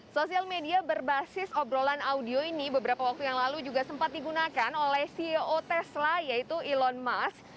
sosial media berbasis obrolan audio ini beberapa waktu yang lalu juga sempat digunakan oleh ceo tesla yaitu elon musk